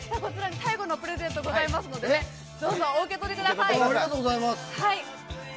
最後のプレゼントがございますのでどうぞお受け取りください。